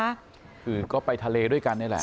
คือก็ไปทะเลด้วยกันนี่แหละ